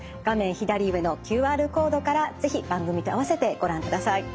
左上のＱＲコードから是非番組と併せてご覧ください。